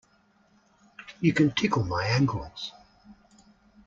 You can tickle my ankles.